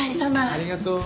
ありがとう。